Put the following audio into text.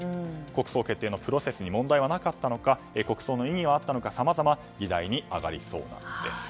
国葬決定のプロセスに問題はなかったのか国葬の意義はあったのかさまざま議題に上がりそうです。